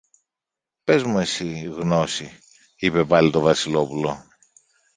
Πες μου εσύ, Γνώση, είπε πάλι το Βασιλόπουλο